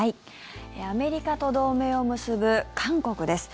アメリカと同盟を結ぶ韓国です。